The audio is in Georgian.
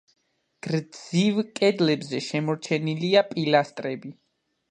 გრძივ კედლებზე შემორჩენილია პილასტრები.